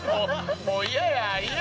もう嫌や嫌！